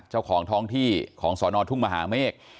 เจ้าของท้องที่ของสอนอทุ่งมหาเมฆ